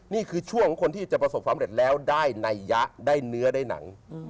นี่คือช่วงของคนที่จะประสบความเร็จแล้วได้นัยยะได้เนื้อได้หนัง